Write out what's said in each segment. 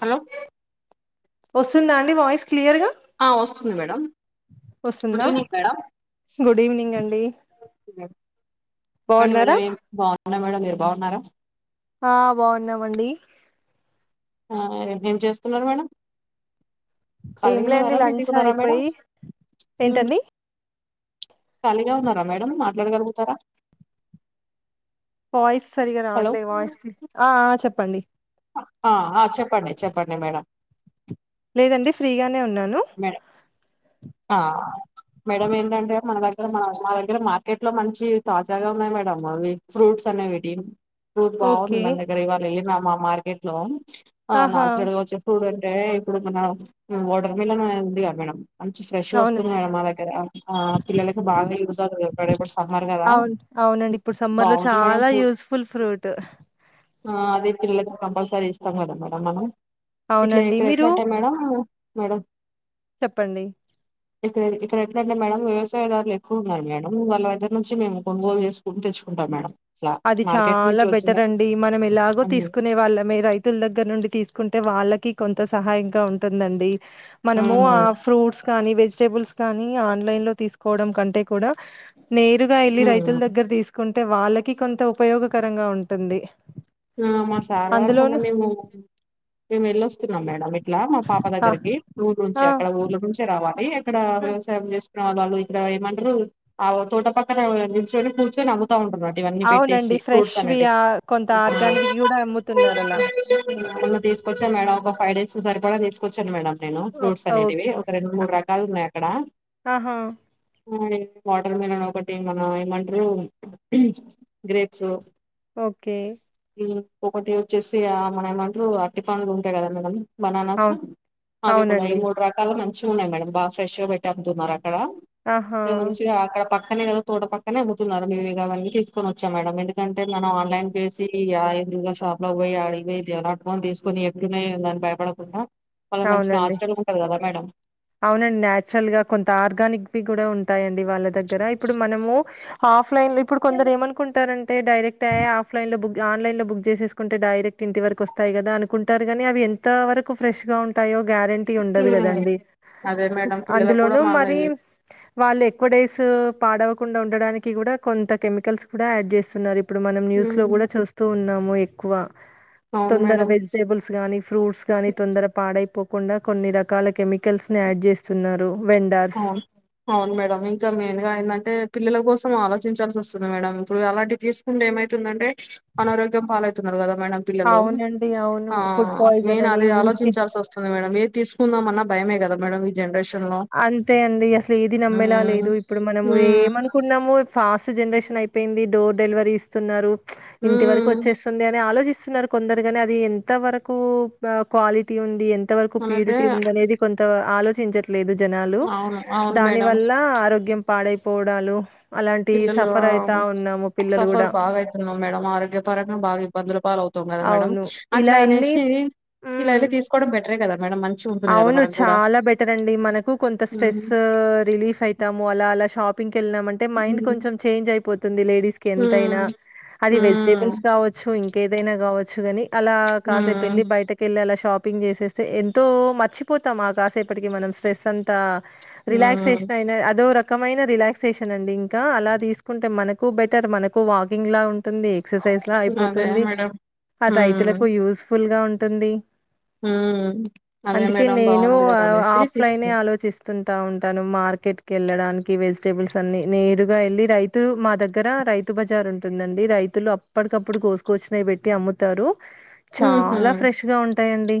Hello వస్తుందా అండి voice clear గా ఆ వస్తుంది మేడం గుడ్ వస్సుందా, ఈవినింగ్ మేడం గుడిఈవినింగ్ అండి చెప్పండి బావున్నారా. నం మేడమ్, మీరు బావున్నారా. బాగున్నామండి ఆ ఏం ఏం చేస్తున్నర్ మేడం. ఏమ్ ఖాళీగా లేండి ఉన్నారా లంచ్ బిజీగా ఉన్నారా మేడం అయిపోయి, ఉమ్, ఏంటండి ఖాళీగా ఉన్నారా మేడమ్, మాట్లాడగలుగుతారా వాయిస్ సరిగా హలో రావట్లే, వాయిస్ ఆ ఆ చెప్ పండి. ఆ ఆ చెప్పంన్ని చెప్పంన్ని మేడం. లేదండి ఫ్రీఆనె ఉన్నాను మేడం ఆ మేడంమ్ ఏంటంటే మన దగ్గర మా దగ్గర మార్కెట్ లో మంచి తాజాగా ఉన్నాయి మేడం అవి ఫ్రూట్స్ అనేవిటి తూత్ బావుంది ఓకే మన దగర ఇవాల ఎల్లిన మా మార్కెట్ లో ఆ ఆహా నాచ్ రల్ గ వచ్చిన పుడ్ అని అంటే ఇప్పుడు మన ఓటర్ మిలన్ ఉందిగ మేడమ్. మంచి ఫ్రెష్ అవును వస్తుంది మేడం, మా దగ్గర ఆ పిల్లలకి బాగా యూజ్ అవుతు రేపర్స్ అవున్ అవునండి, ఇప్పుడు సమ్మర్ లో బాగుంది మేడం చాలా ఫ్రూట్ యూస్ఫుల్ ఫ్రూట్ కంపల్సరి ఇస్తాం మేడంమ్ మేడం నన్ను ఇట్ల అవునండి ఇక్కడ మీరు ఎట్లంటే మేడం. మేడం చెప్పండి. ఇక్కరే ఇక్కరెట్లంటే మేడం, వ్యవయదారులు ఎక్కువ ఉన్నారు మేడం, వాళ్ళ ఇద్దరు నుంచి మేము కొనుగోలు చేసుకోని తెచ్చుకుంటాం మేడం. అలా అది మార్కెట్ చాలా నుంచి వచ్చిన బెటర్ అండి, మనం ఎలాగో హ్మ్. తీసుకునే వాళ్ళమే రైతుల దగ్గర నుండి తీసుకుంటే వాళ్ళక్ కి కొంత సహాయంగా ఉంటుందండి. మనము హ్మ్. ఆ ఫ్రూట్స్ కానీ వెజిటేబుల్స్ కానీ ఆన్లైన్ లో తీసుకోవడం కంటే కూడా నేరుగా ఎళ్ళి రైతుల హ్మ్. దగ్గర తీసుకున్ వాళ్ళక్ కి కొంత ఉపయోగకరంగా ఉంటుంది. ఆ మా సార్ వార్ కు మొన్న అందులోను మేము, మేము ఎళ్ళొస్ సుత్నం మేడమ్ ఇట్లా మా పాప ఆ! దగ్గరికి ఊరు నుంచి ఆ! అక్కడ ఊర్ళ నుంచే రావాలి ఇక్కడ, హ్మ్. వ్యవసాయం చేస్ నా వాళ్ళు ఆళ్ళు ఇక్కడ ఏమంటారు, ఆ వో తోట పక్కన నిల్చొని కూర్చొని అమ్ము త ఉంటుంరుట ఇవన్నీ అవునండి. పెట్టేసి ఫ్రూట్స్ ఫ్రెష్‌వి అనేటివి ఆహ్, కొంత ఆర్గానివ్‌వి గూడా అమ్ముతున్నారు అలా. ఇంగఏమన్నా తీసుకొచ్చా మేడం ఒక ఫైవ్డేస్ సరి కూడా తీసుకోచ్చాను మేడం నేను ఓ ఫ్రూట్స్ అనేటివి ఓకే. ఒక రెండు మూడు రకాలు ఉన్నాయి అక్కడ ఆహా! వాటర్ మిలన్ ఒకటి మన ఏమంటారు గ్రేప్స్ ఓకే ఒకటి యూచ్చ చేసి ఆ మన ఏమంటరు అరటిపండ్లు ఉంటాయి కదా మేడం బనానాస్ అవును. అవి కూడా ఈ అవునండి. మూడు రకాల మంచి చూ మేడం బా ఫ్రెష్ పెట్ట అమ్ముతున్నారం అక్కడ ఆహా! [inaudible] ముంచిగా అక్కడ పక్క నీదా తోట పక్కనే అమ్ముతున్నారు మేవి ఇవన్నీ తీసుకొ వచ్చా మేడం ఎందుకంట మన ఆన్లైన్ పే [unintelligible] ఎందుగా షాప్ లో పోయి ఆడి ఇవటు ఫోన్ తీసుకొని ఎప్పుడునే ఉందని భయపడకుండా వాళ్ళ మంచిగా అవునండి. హాస్టల్ ఉంటది కదా మేడం అవునండి న్యాచురల్ గా కొంత ఆర్గానిక్ వి కూడా ఉంటాయండి వాళ్ళ దగ్గర ఇప్పుడు మనము హాఫ్ ఆఫలైన్ ఇప్పుడు కొందరు ఏమనుకుంటారంటే డైరక్ట్ అయ్యా ఆఫ్ లైన్ లో బు ఆన్లైన్ లో బుక్ చేసేసుకుంటే డైరెక్ట్ ఇంటి వరకు వస్తాయి కదా అనుకుంటారు గానీ అవి ఎంత వరకు ఫ్రెష్ గా ఉంటాయో గ్యారెంటీ టీ ఉండదు హ్మ్ కదండి అదే మేడం పిల్లలకు కూడా అందులోనుూ మళ్ళీ మరి వాళ్ళు ఎక్కవ డే డేస్ పాడవకుండా ఉండడానికి కూడా కొంత కెమికల్స్ కూడా యాడ్ చేస్తున్నారు ఇ ఇప్పుడు మనం న్యూస్ హ్మ్ లో కూడా చూస్తూ ఉన్నాము కువా అవును తొందర మేడం వెజిటేబుల్స్ గానీ ఫ్రూట్స్ గానీ తొందర పాడైపో కుండా కొన్ని రకాల కెమిక కల్స్ ని యాడ్ చేస్తున్నారు అవును అవును మేడం ఇంకా మెయిన్ గా ఏందంటే పిల్లల కోసం ఆలోచ చించాల్సి వస్తుంది మేడం ఇప్పుడు అలాంటి తీసుకుంటే ఏమైతుందంటే అనారోగ్యం పాలైతున్నారు కదా మేడం పిల్లలు అవునండి. అవును. ఆ ఫుడ్ పాయిజన్ మెయిన్ అని అదే ఊరికే ఆలోచించాల్సి వస్తుంది మేడం ఏద్ తీసుకుందాం అన్న భయమే కద మేడం ఈ జనరేషన్ న్ను అంతే అండి అసలు ఏది నమ్మేలా లేదు ఇప్పుడు మనము ఏమనుకున్నామ ఫాస్ట్ జనరేషన్ అయిపోయింది డోర్ డెలివరీ ఇస్తున్నారు ఇంటి వరకు హ్మ్ వచ్చేస్తుంది అని ఆలోచిస్త స్తున్నారు కొందరుగాని అది ఎంత వరకు క్వాలిటీ ఉంది ఎ ఏంత వరకు మనదే ప్యూరిటీ ఉంది అనేది కొ ఆలోచించ లేదు జనాలు అవును అవును దాని మేడం వల్ల ఆరోగ్యం. పాడైపోవడాలు అలాంటియి పిల్లలు సఫర్ ఆ అయితా ఉన్నాము పిల్లలు సఫర్ గూడా. బాగా ఐతున్నం మేడం ఆరోగ్యపరంగా బాగా ఇబ్బందులు ల్ అవుతాం కదా మేడం అవును. అట్లా ఇలా ఎళ్లి అనేసి ఇలా హ్మ్. వెళ్ళి తీసుకోవడం. [unintelligible] ఉంటుంది కదా అవును మనకు కూడా చాలా బెటర్ అండి మనకు కొంత స్ట్రెస్ హ్మ్ రిలీఫ్ అయితాము అలా అలా షాప్. వెళ్నామ అంటే మైండ్ హ్మ్ కొంచెం చేంజ్ అయిపోతుంది లేడీస్కి ఎంతైనా హ్మ్ అది హ్మ్ వెజిటబుల్స్ కావచ్చు ఇంకేదైనా కావచ్చు గని అలా కాసేపు హ్మ్. ఎల్లి బయట కెళ్ళి అలా షాపింగ్ చేసేస్తే ఎంత తో మర్చిపోతామ కాసేపటికి మనం స్ట్రెస్ అంతా హ్మ్. రిలాక్సేషన్ అయిన అదో రక్ రకమైన రిలాక్సేషన్ అండి ఇంకా అలా తీసుకుంటే మనకు బెటర్ మనకు వాకింగ్లా ఉంటుంది ఎక్సర్సైజ్లా అదే అయిపోతుంది మేడం ఆ రైతులకు యూస్ ఫుల్గా ఉంటుంది. ఉమ్ అందుకే నేను ఆ ఆఫ్ లైనే తీసుకున్నా ఆలోచిస్తు టా ఉంటాను మార్కెట్ కెళ్ళడానికి వెజిటబుల్స్ అన్ని నేరుగా ఎళ్ళి రైతు మా దగ్గర రైతు బజార్ ఉంటుందండి రైతులు అప్పటికప్పుడు కోసుకొచ్చినయి పెట్టి అమ్ముతారు. హుహు. చాలా ఫ్రెష్గా ఉ ఉంటాయి అండి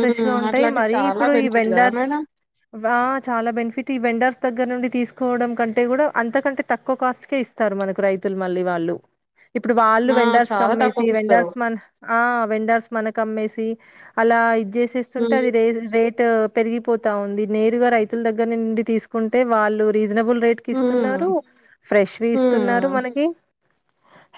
ఫ్రెష్ గా ఉంటాయి అట్లాంటివి మరీ చాలా ఇప్పుడు ఈ బెనిఫిట్ గదా వెండర్స్ మేడం. ఆ చాలా బెనిఫిట్ ఈ వెండర్స్ దగ్గర నుండి తీసుకోవడం కంటే కూడా అంతకంటే తక్కువ కాస్ట్కే ఇస్తారు. మనకు రైతులు మళ్ళీ వాళ్ళు ఇప్పుడు వాళ్ళు ఆ! వెండర్స్ చాలా కమ్మేసి తక్కువకిస్తారు. వెండర్స్ మ ఆ వెండర్స్ మనకు అమ్మేసి అలా ఇజ్ ఇస్తుంటే హ్మ్. అది రేర్ ట్ పెరిగిపోతా ఉంది నేరుగా రైతుల దగ్గర నుండి తీసుకుంటే వాళ్ళు రీ. రీజనబుల్ రేట్కి హ్మ్. ఇస్తున్నారు ఫ్రెష్వి ఇస్తున్నారు హ్మ్. మనకి.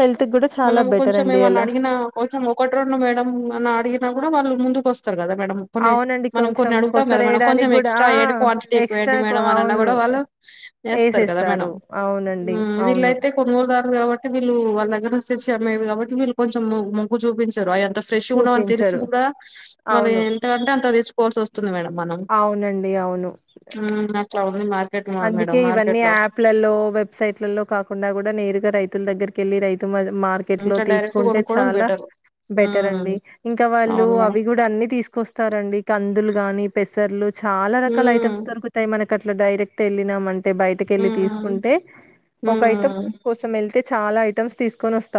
హెల్త్‌కి గూడా చాలా మనం బెటర్ కొంచం అండి ఏమన్న అలా. అడిగిన కొసం ఒకటి రొండు మేడం అన్ అడిగిన కూడా వాళ్ళు ముందుకు వస్త కదా మేడం కొన్ని అవునండి. మనం కొన్ని కొంచెం అడుగుతాం కదా మేడం కొంచం కొసరేయడానికి గూడా ఎక్స్ట్రా ఆ! వేయండి క్వాంటిటీ ఎక్స్‌ట్రా ఎక్కువేయండి కొ మేడం అని అన్నా అవును. గూడా వాళ్ళు వేస్తారు కదా మేడం ఏసేస్తారు. హ్ అవునండి. అవును. వీలైతే. కాబట్టి వీళ్ళ వాళ్ళ దగ్గర నుంచి తెచ్చి అమ్మేవి కాబట్టి వీళ్ళు కొంచం ము ముగ్గు చూపించారు ఆయ. అంత ఫ్రెష్గా ఉండవని తెలిసి చూపించరు. గుడా మ అవును. ఎంతంటే అంత తీచ్చుకోవాల్సి వస్తుం. మేడం మనం అవునండి. అవును. హ్ చ [inaudible] అందుకే ఇవన్నీ యాప్లలో వెబ్సైట్లలో కాకుండా గుడా నేరుగా రైతు దగ్గరికెళ్లి రైతు మ మార్కెట్లో ఇంకా డైరెక్ట్ తీసుకుంటే కొనుక్కోవడం చాలా బెటర్ బెటర్ మ్మ్ అండి ఇంకా వాళ్ళు అవును మేడం అవి గూడా అన్ని తీసుకొస్తారండి కందులు గాని పెస పేసర్లు చాలా రకాల మ్మ్ ఐటమ్స్ దొరుకుతాయి మనక్ అట్ల డైరెట్ తెల్లినామం బయటకి ఎళ్ళి మ్మ్ తీసుకుంటే ఒక ఐటమ్ మ్మ్ కోసం యెల్తే చాలా ఐటమ్స్ తీసుకొని వస్త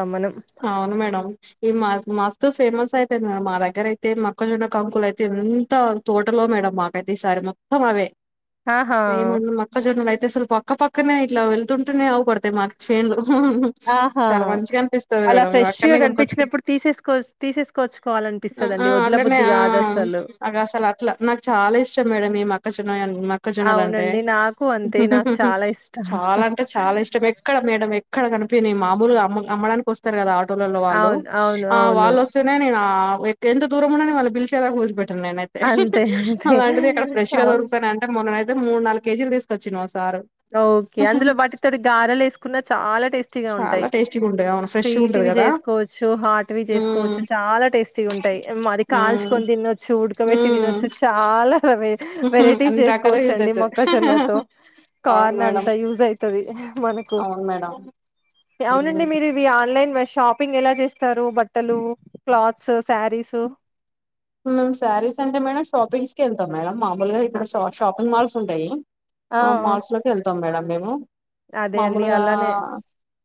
అవును మేడం ఈ మా మాస ఎ ఫేమస్ అయిపోయింది మేడం మా దగ్గర అయితే మక్కజొన్న కాంకులు అయితే ఎంత తోటలో మేడం మాకైతే ఈసారి మొత్తం అవే ఆహా మక్కా జొన్నలు ఐతే పక్క పక్క కి పక్కనే ఇట్లా వెళ్తుంటేనేవు ప అతే మా చేన్లో ఆహా చాలా మంచిగా అనిపిస్తు అలా మ ఫ్రెష్ అక్కడ గా కొనుకచుకోవడం కనిపించినప్పుడు తీసేసుకో తీసేసుకోవచ్చుకోవాలనిపిస్తదండి వదల బుద్ధి కాదు అసలు అట్ నా చాలా ఇష్టం మే ఆ మక్కజొన్నలు అంటే అవునండి. నాకు అంతే. నాకు చాలా ఇష్టం. చాలా అంటే చాలా ఇష్టం ఎక్కడ మేడం అక్కడ కనిపోయినాయి మామూలు అమ్మ్డానికి వస్త కద లలో వాళ్ళు అవును. అవును. ఆ అవును. వాళ్ళు వస్తేనే నేను ఎంత దూరం ఉన్నా పీల్చే దాకా వదిలి పెట్ట నేనయితే అంతే. అంతే. అలాంటిది ఇక్కడ ఫ్రెష్ గా అవును. దొరుకుతాన అంటే మొన్న మూడు నాలుగు కేజీలు తీసుకొచ్చిన ఓకే అందులో వాటితోోటి గారలు వేసుకున్నా చాలా టేస్టీగా చాలా ఉంటాయి టేస్టీగా ఉంటది అవును ఫ్రెష్ గా ఉంటది స్వీట్వి కదా చేసుకోవచ్చు హాట్వి మ్మ్ చేసుకోవచ్చు చాలా టేస్టీగా ఉంటాయి మరి మ్మ్ కాల్చుకొని తినొచ్చు ఉడకబెట్టి తినొచ్చు చాలా వె మ్మ్ వెరైటీస్ అన్ని రకాలుగా యూజ్ చేసుకోవచ్చండి అవుతది మొక్కజొన్నతో అవును కార్న్ మేడం అంత యూజ అతుంది మనకు అవును మేడం అవునండి మ్మ్ మీరు ఇవి ఆన్లైన్ మష షాపింగ్ ఎలా చేస్తారు బట్టలు క్లాత్స్ శారీస్ మేమ్ శారీస్ అంటే మేడంమ్ షాపింగ్స్ కి ఎల్తం మేడంమ్ మా మ ఆ! ఇక్కడ శ షాపింగ్ మల్స్ ఉంటాయి ఆ మాల్స్ లోకి వెళ్తాం మేడం డేమో అదే అండి మామూలుగా అలానే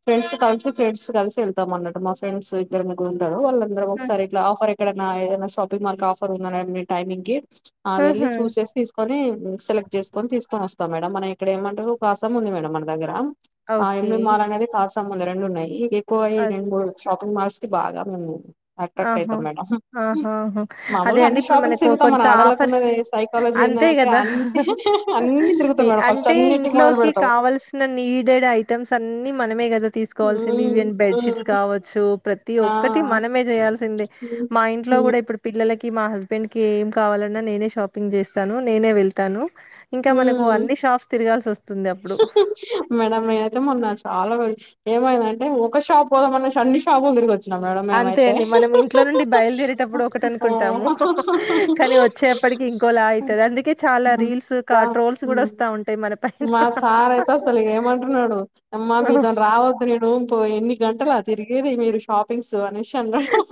ఫ్రెండ్స్ కాల్చు ఫ్రెండ్స్ కలిసి వెళ్తాం అన్నటు మా ఫ్రెండ్స్ ఇద్దరు ముగ్గురు ఉండరు వాళ్ళ చంద్రబాబు సార్ ఇట్ల ఆఫర్ ఇక్కడ నా ఏదన్న సప్ మనకి ఆఫర్ ఉందండి టైమింగ్కి ఆ వెళ్ళి ఆహా చూసేసి తీసుకొని సెలెక్ట్ చేసుకని తీసుకని వస్తాం మేడం మన ఇక్కడ ఏమంటారు ఒకకాసం ఉంది మేడం మన దగ్గర ఆ ఓకే ఎమె మార అనేదే కాస్త సమ్మల్లు రెండు ఉన్నాయి ఈ కోయి అద్ రెండు షాప్ అమస్కి బాగా ఉంది ఆహం ఆహా అహం అదే మామూలుగా అండి అన్ని ఇప్పుడు షాపింగ్స్ మనకు తిరుగుతాం మన కొంత ఆఫర్స్ ఆడళ్ళకున్నది సైకాలజీ అంతే ఏందంటే కదా అన్ని అన్ని తిరుగుతాం మేడం ఫస్ట్ అంటే అన్నిటికి మొదలు ఇంట్లోకి పెడతాం కావాల్సిన నీడెడ్ ఐటమ్స్ అన్ని మనం మిగదు తీసుకోవాల్సింది హ్మ్ ఈవెన్ బెడ్ షీట్స్ హ్మ్ కావచ్చు ప్రతి ఆ ఒక్కటి మనం మీరు చేయాల్సిందంది హ్మ్ మా ఇంట్లో హ్మ్ కూడా ఇప్పుడు పిల్లలకి ఈ మా హస్బెండ్ కి ఏం కావాలన్నా నేనే షాపింగ్ చేస్తాను నేనే వెళ్తాను ఇంకా ఉ మనకు అన్ని షాప్స్ తిరగాల్సి వస్తుంది అప్పుడు మేడం నేనైతే మొన్న చాలా వారికి ఏమైందంటే ఒక షాపు పోదా మన అన్ని షాపులు తిరగచ్చు అంతే అండి మనం ఇంట్లో నుండి బయలుదేరేటప్పుడు ఒకటి ఆ అనుకుంటాము కానీ వాహ్ వచ్చేప్పటికి ఇంకోలా అవుతుది అందుకే చాలా హ్మ్. రీల్స్ కా ట్రోల్స్ కూడా వస్తా ఉంటాయి మన పైన మా సార్ అయితే అసలు ఏమంటున్నాడు అమ్మా మీతోని రావద్దు నేను ఓ ఎన్ని గంటల తిరిగది మీరు షాపింగ్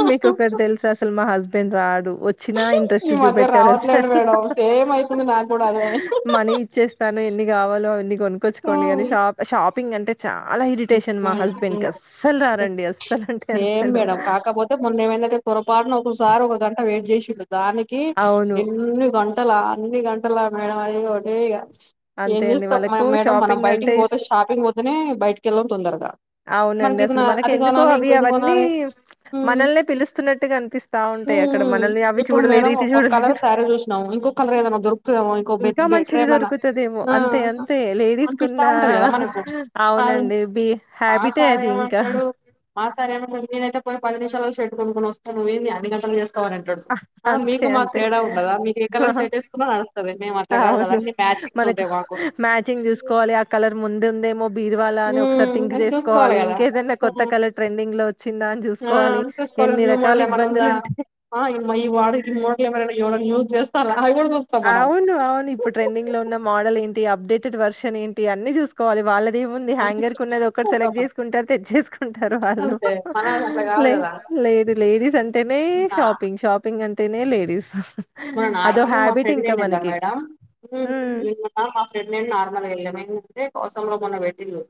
మీకు ఒకటి తెలుసా అసలు మా హస్బెండ్ రాడు వచ్చినా ఇంట్రెస్ట్ ఈ మధ్య చూపెట్టారు రావట్లేదు అసలు మేడం సేమ్ ఆహ్ అయితుంది నాకు కూడా అదే హ్ మనీ ఇచ్చేస్తాను ఎన్ని కావాలో అవన్ని గొనుకొచ్చుకోండి కానీ షాప్ షాప్ పింగ్ అంటే చాలా ఇరిటేషన్ మా హస్బెండ్ కి అస్సలు రారండి అస్సలు అంటే అస్సలు హా కాపోతే మొన్న ఏమైంది అంటే పొరపాటున ఒకసారి ఒక గంట వెయిట్ చేసిండు దానికి అవును ఎన్ని గం గంటల అన్ని గంటల మేడం అయ్యయ్యో ఏయిగా ఏం అంతే అండి చేస్తాం వాళ్ళకు మేడం మనం షాపింగ్ బయటికి అంటే ఇస్ పోతే షాపింగ్ పోతేనే బయటికి ఎలాండి తొందరగా అవునండి. మనకి ఇది నా అసలు అది మనకెందుకో కొనాలి అవి ఇంకో ఇది అవన్నీ కొనాలి మనల్నే పిలుస్తున్నట్టుగా అనిపిస్తా ఉ ఉంటాయి అక్కడ. మనల్ని అవి ఇప్పుడు చూడలేదు, మేడం ఇది ఒ కలర్ చూడలేదు. శారీ చూసినాము ఇంకో కలర్ ఏదనా దొరుకుదామో ఇంకో బెటర్ ఏమైనా ఇదేమో అంతే అంతే లేడీస్ ఉన్న ఉంటది కదా మనకు అది అవునండి మా హ్యాబిట్ సార్ అది ఇంకా ఏమంటాడు మా సార్ ఏమంటారు నేను నేనైతే పోయి పది నిమిషాలు షట్ కొమ్ముకుని వస్తే నువ్ంది అన్ని కతలు చేస్తా అంతే అంతే ఉండదా మీకు ఏ కలర్ షర్ట్ వేసుకున్నా నడుస్తది మేము అట్లా కాదు కదా అవును అన్ని మ్యాచింగ్స్ మనకు ఉంటాయి మాకు మ్యాచింగ్ చూసుకోవాలి ఆ కలర్ ముందు ఉందేమో బీర్వాలా అని ఒకసారి ఉమ్ థింక్ అది చూసుకోవాలి చేసుకోవాలి కదా ఇంకే ఏదైన్నా కొత్త ఉమ్, కలర్ ట్రెండింగ్ లో వచ్చిందా అని ఆ చూసుకోవాలి చూసుకోవాలి ఎన్ని న్యూ రకాల మోడల్ ఏమన్నా ఇబ్బందులు ఉందా ఉంటాయి ఆ ఇ ఈ వాడుకి మోడలే మరే ఎళూ చేస్తార అవును అవును ఇప్పుడు ట్రెండింగ్ లో ఉన్న మోడల్ ఏంటి అప్డేటెడ్ వర్షన్ ఏంటి అన్ని చూసుకోవాలిళ్ళకి అదేముంది అంటే హ్యాంగర్ కునేది ఒక పోతాం సెలెక్ట్ మనం చేసుకుంటారు తెచ్చసుకుంటారు వాళ్ళు అంతే మన అట్లా కాదు కదా లే లేడీస్ అంటేనే నా షాపింగ్ షాపింగ్ అంటే తనే లేడీస్ అదొ హ్యాబిట్ ఇంకా మనకి. ఫిలైందన్నడ హు హ్మ్. నిన్న మా ఫ్రెడ్ నేన్ నార్మల్గా మ బుక్ చెయ్ అ సంలో మన పెట్టిండ్లు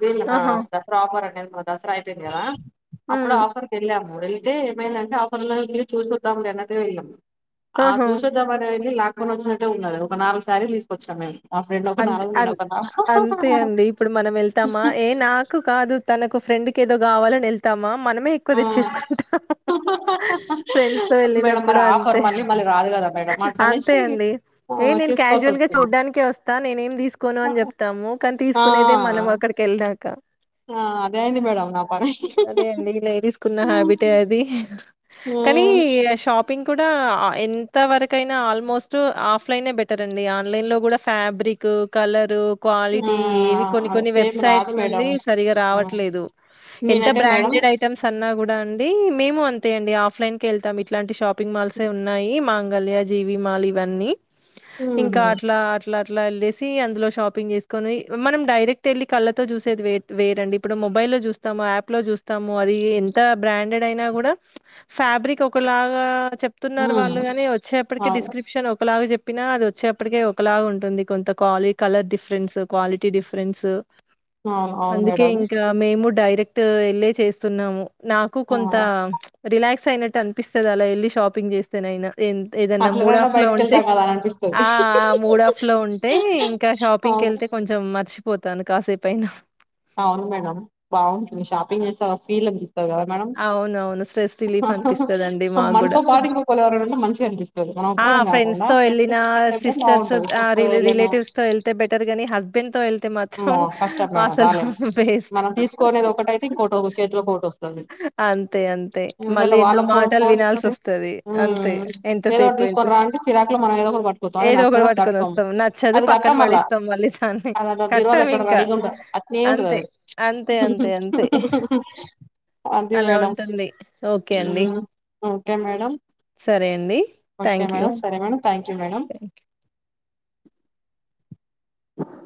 బిల్ ఆ ఆహా! దసరా ఆఫర్ అంట దసరా అయిపోయింది కదా అప్పుడ హ్మ్. ఆఫర్కి వెళ్ళాము వెళ్తే ఏమైందంటే ఆఫర్ ను మీరు చూసోస్తాం లేన్నంటే వెళ్ళాం ఆ ఆహా! చూసద్దమని వెళ్లి లాక్ వచ్చినట్టే ఉన్నది ఒక నాలుగు సారిలు తీసుకొచ్చాం మేము మా ఫ్రెండ్ ఒక అంతే నాలుగు అ నేను ఒక నాలుగు అంతే అండి ఇప్పుడు మనం వెళ్తామా ఏ నాకు కాదు తనకు ఫ్రెండ్ కు ఏదో కావాలని వెళ్తామా మనమే ఎక్కువ ఆ తెచ్చేసుకుంటాం ఫ్రెండ్స్ తో మేడం మరి వెళ్ళినప్పుడు ఆఫర్ అంతే మళ్ళీ మళ్ళీ రాదు కదా మేడం అట్లా అంతే అనేసి అండి ఏ నేను చేసుకోవాల్సి కజువల్ గా వచ్చింది చూడ్డానికి వస్తా నేనేం తీసుకోను అని చెప్తాము కానీ ఆ తీసుకునేదే మనం అక్కడికి వెళ్ళ క క ఆ అదే అయింది మేడం నా పని అదే అండి లేడీస్ కున్న హ్యాబిటే అది కానీ హ్మ్. షాప్ షాపింగ్ కూడా ఎంతవరకయినా ఆల్మోస్ట్ ఆఫ్లైన్ బెటర్ అండి ఆన్లైన్ లో కూడా ఫ్యాబ్రిక్ కలరు క్వాలిటీ ఏవి కొన్ని ఆ కొన్ని సేమ్ రాదు వెబ్సైట్స్ మేడం నుడి సరిగా హ్మ్. రావట్లేదు ఎంత నేనైతే మేడం బ్రాండెడ్ ఐటమ్స్ అన్నా కూడా అండి మేము అంతే అండి ఆఫ్లైన్ కి వెళ్తాం ఇలాంటి షాప్ పింగ్ మాల్సే ఉన్నాయి. మా గళ్యా, జీవి మాల్ ఇవన్నీ ఇంకా హుహు. అట్లా అట్ అట్లా అట్లా ఎళ్లేేసి అందులో షాపింగ్ చేసుకొని. మనం డైరెక్ట్ వెళ్ళి కళ్ళతో చూసేది వేర్ వేరండి. ఇప్పుడు మొబైల్లో లో చూస్తాము, యాప్ లో చూస్తాము. అది ఎంత బ్రాండెడ్ అయినా గూడా ఫాబ్రిక్ ఒకలాగా చెప్తున్నారు వాళ్ళు హ్మ్. గాని వచ్చేప్పటికి అవును డిస్క్రిప్షన్ ఒకలాగా చెప్ ప్పిన అది వచ్చేప్పటికే ఒకలాగా ఉంట్ టుంది. కొంతక్వాలి కలర్ డిఫరెన్స్, క్వాలిటీ డిఫరెన్స్. అవును అవును అందుకే మేడం ఇంకా మేము డై రెక్ట్ వెళ్లే చేస్తున్నాము. నాకు ఆ! కొంత రిలాక్స్ క్స్ అయినట్టు అనిపిస్తది. అలా ఎళ్ళి షాపింగ్ చేస్తేనయినా. ఎంత ఏదన్నా అట్లనైనా మూడఫ్లో బయటకి ఉంటే. వెళ్తాం కదా అని అనిపిస్తుంది ఆ ఆ మూడఫ్ ఫ్లో ఉంటే. ఇంక షాపింగ్కి అవును వెళ్తే కొంచెం మర్చిపో పోతాను కాసేపైన. అవును మేడం బావుంటుంది. షాపింగ్ చేస్తే ఆ ఫీల్ ఉంది. అవునవును స్ట్రెస్ రిలీఫ్ అనిపిస్తది అండి. మాకు గూడా మనతో పాటు ఇంకొకరు ఎవరైనా ఉంటే మంచిగా అనిపిస్తది మనం ఆ ఒక్కళ్ళం ఫ్రెండ్స్ కాకుండా తో ఫ్రెండ్కి ఎళ్ళిన, సెట్ అయితే సిస్టర్స్, బాగుంటది సెట్ అయ్యలేను రిలేటివ్స్ తో ఎళ్తే బెటర్ గాని హస్బెండ్ తో వేల్ ఆమ్మో కష్టం మేడం రాలేము. వేస్ట్. మనం తీసుకోనేది ఒకటైతే ఇంకోటి చేతిలోకి ఒకటి వస్తది. అంతే అంతే మళ్ళీ ఎందుకంటే ఎన్నో వాళ్ళ ఫో మాటలు వినాల్సి ఫోర్స్‌తోని వస్తది. అంతే హ్మ్ ఏదో ఎంతసేపు, ఒకటి తీసుకొని రా ఎంతసేప్ అంటే చిరాకులో మనం ఏదో ఒకటి పట్టుకుతాం అది ఏదో ఒకటి నచ్చదు అది పట్టుకొని కట్టుకోము వస్తాం. నచ్చదు అది పక్కన పడేస్తాం మళ్ళీ దాన్ని కట్ కవర్లో ఎతనికి రడిగుంట అట్నే ఉంటది. అది అంతే అంతే అంతే అది అలా ఉంటుంది ఓకే అండి. ఉంటా మేడం. సరే అండి. Thank, you. You, madam.